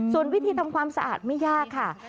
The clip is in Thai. ส่วนวิธีทำความสะอาดไม่ยากค่ะ